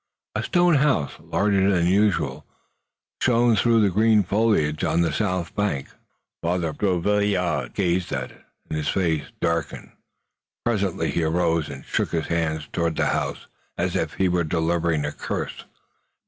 A stone house, larger than usual, showed through the green foliage on the south bank. Father Drouillard gazed at it, and his face darkened. Presently he arose and shook his hand towards the house, as if he were delivering a curse.